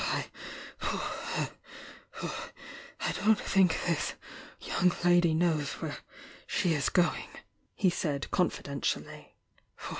"I don't think this young lady knows where she is going," he said, confidentially.